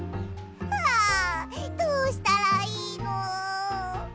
あどうしたらいいの！？